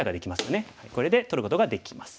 これで取ることができます。